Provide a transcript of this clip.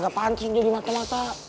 gak pansus jadi mata mata